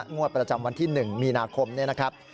งวดประจำวันที่๑มีนาคมเนี่ยนะครับ